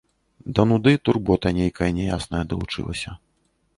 Да нуды турбота нейкая няясная далучылася.